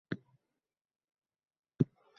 sunga loyiq.